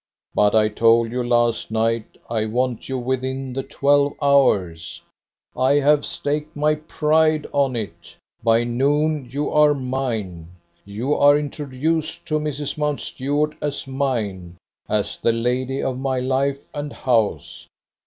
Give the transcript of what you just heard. But I told you last night I want you within the twelve hours. I have staked my pride on it. By noon you are mine: you are introduced to Mrs. Mountstuart as mine, as the lady of my life and house.